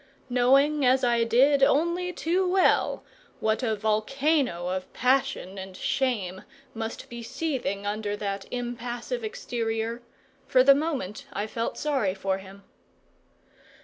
Knowing as I did, only too well, what a volcano of passion and shame must be seething under that impassive exterior, for the moment I felt sorry for him.